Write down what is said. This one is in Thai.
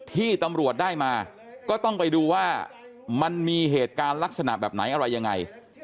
ที่ตำรวจได้มาก็ต้องไปดูว่ามันมีเหตุการณ์ลักษณะแบบไหนอะไรยังไง